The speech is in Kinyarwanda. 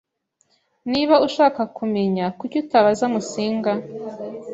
Niba ushaka kumenya, kuki utabaza Musinga?